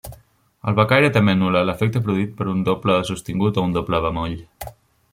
El becaire també anul·la l'efecte produït per un doble sostingut o un doble bemoll.